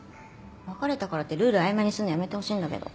別れたからってルール曖昧にすんのやめてほしいんだけど。